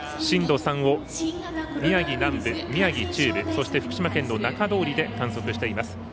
震度３を宮城南部、宮城中部そして、福島県の中通りで観測しています。